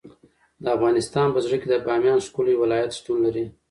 د افغانستان په زړه کې د بامیان ښکلی ولایت شتون لري.